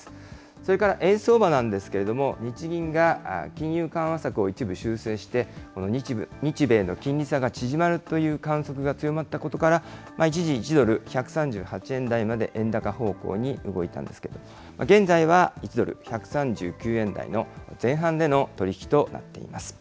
それから円相場なんですけれども、日銀が金融緩和策を一部修正して、この日米の金利差が縮まるという観測が強まったことから、一時１ドル１３８円台まで円高方向に動いたんですけれども、現在は１ドル１３９円台の前半での取り引きとなっています。